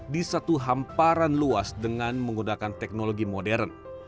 di satu hamparan luas dengan menggunakan teknologi modern